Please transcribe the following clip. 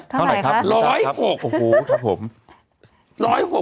เท่าไหร่ครับใช่ครับ๑๐๖ครับ